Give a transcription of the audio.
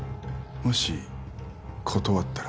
もし断ったら？